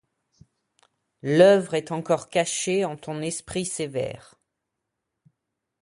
L'oeuvre est encor cachée en ton esprit sévère